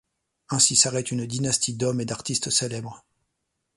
Ainsi s'arrête une dynastie d'hommes et d'artistes célèbres.